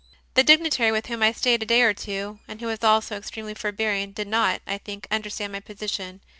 The dignitary with whom I stayed a day or two, and who was also extremely forbearing, did not, I think, understand my position.